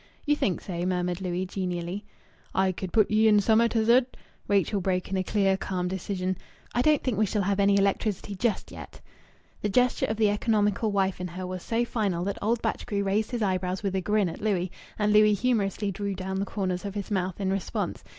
"You think so?" murmured Louis genially. "I could put ye in summat as 'u'd " Rachel broke in a clear, calm decision "I don't think we shall have any electricity just yet." The gesture of the economical wife in her was so final that old Batchgrew raised his eyebrows with a grin at Louis, and Louis humorously drew down the corners of his mouth in response.